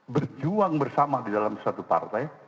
berjuang bersama di dalam satu partai